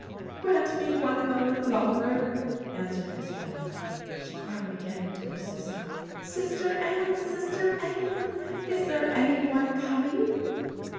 'Grant me one moment longer!' answered his wife. She cried again to her sister :' Sister Anne ! sister Anne ! is there any one coming?